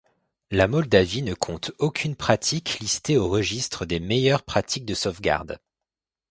La Moldavie ne compte aucune pratique listée au registre des meilleures pratiques de sauvegarde.